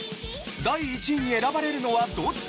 第１位に選ばれるのはどっちなのか？